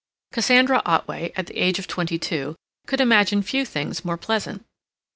Cassandra Otway, at the age of twenty two, could imagine few things more pleasant.